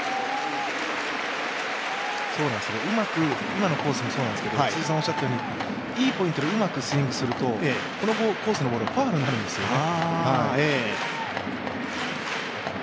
今のコースもそうですけど、いいポイントでうまくスイングするとこのコースのボールはファウルになるんですよね。